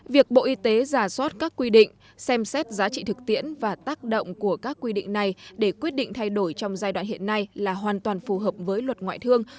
việc bộ y tế giả soát các quy định xem xét giá trị thực tiễn và tác động của các quy định này để quyết định thay đổi trong giai đoạn hiện nay là hoàn toàn phù hợp với luật ngoại thương